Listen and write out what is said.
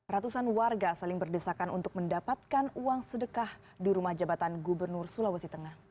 ratusan warga saling berdesakan untuk mendapatkan uang sedekah di rumah jabatan gubernur sulawesi tengah